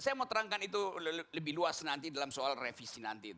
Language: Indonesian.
saya mau terangkan itu lebih luas nanti dalam soal revisi nanti